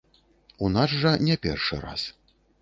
У нас жа не першы раз.